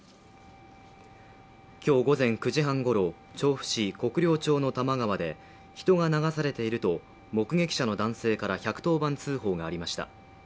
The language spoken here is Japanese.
今日午前９時半ごろ、調布市国領町の多摩川で、人が流されていると目撃者の男性から１１０番通報がありました。